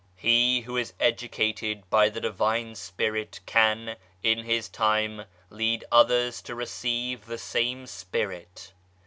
He who is educated by the Divine Spirit can, in his time, lead others to receive the same Spirit.